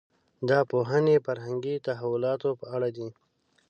دا پوهنې فرهنګي تحولاتو په اړه دي.